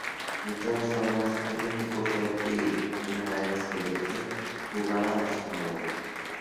De todas formas, un equipo fuerte y una gran experiencia jugaban a su favor.